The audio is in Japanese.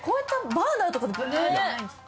バーナーとかでブブじゃないんですか？